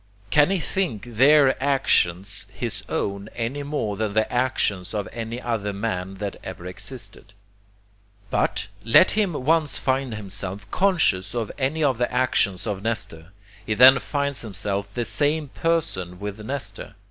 Can he think their actions his own any more than the actions of any other man that ever existed? But | let him once find himself CONSCIOUS of any of the actions of Nestor, he then finds himself the same person with Nestor.